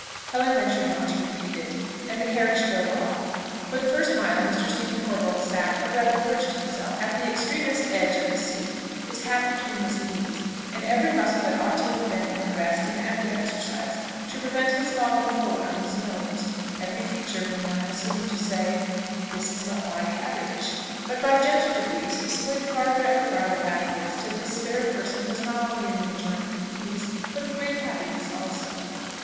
Helen ventured not to repeat it, and the carriage drove off. For the first mile Mr. Stephen Corbold sat, or rather perched himself, at the extremest edge of the seat, his hat between his knees, and every muscle that ought to have been at rest in active exercise, to prevent his falling forward on his nose; every feature, meanwhile, seeming to say, "This is not my carriage." But by gentle degrees he slid farther and farther backwards, till his spare person was not only in the enjoyment of ease, but of great happiness also.